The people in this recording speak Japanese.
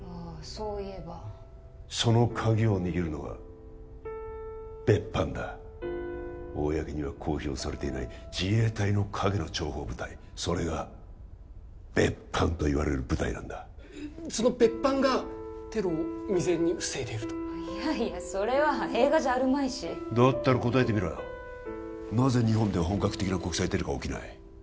そういえばそのカギを握るのが別班だ公には公表されていない自衛隊の陰の諜報部隊それが別班といわれる部隊なんだその別班がテロを未然に防いでるといやいやそれは映画じゃあるまいしだったら答えてみろよなぜ日本では本格的な国際テロが起きない？